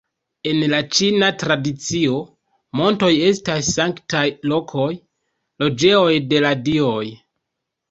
En la ĉina tradicio, montoj estas sanktaj lokoj, loĝejoj de la dioj.